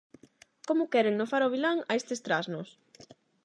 Como queren no faro Vilán a estes trasnos!